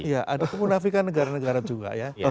ya ada kemunafikan negara negara juga ya